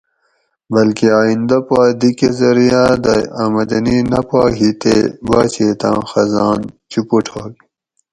بلکہ آئیندہ پا دی کاۤ زریعاۤ دہ آمدنی نہ پا ہی تے باچہتاں خزان چُوپوٹ ہوگ